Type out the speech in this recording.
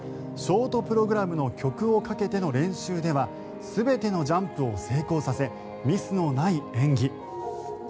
ショートプログラムの曲をかけての練習では全てのジャンプを成功させミスのない演技。